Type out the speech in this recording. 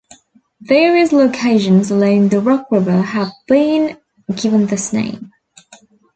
Various locations along the Rock River have been given this name.